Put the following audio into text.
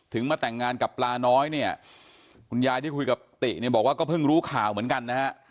มาแต่งงานกับปลาน้อยเนี่ยคุณยายที่คุยกับติเนี่ยบอกว่าก็เพิ่งรู้ข่าวเหมือนกันนะฮะ